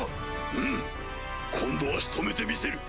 うむ今度は仕留めてみせる！